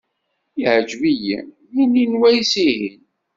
Yeɛǧeb-iyi yini n wayes-ihin.